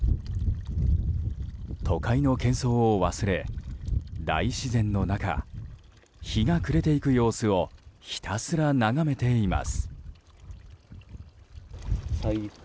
都会の喧騒を忘れ、大自然の中日が暮れていく様子をひたすら眺めています。